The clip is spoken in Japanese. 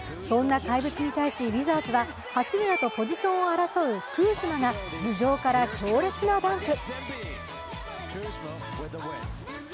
そんな怪物に対し、ウィザーズは八村とポジションを争うクーズマが頭上から強烈なダンク。